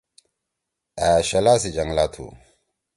أ شلا سی جنگلا تُھو۔